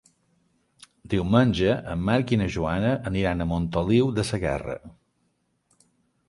Diumenge en Marc i na Joana aniran a Montoliu de Segarra.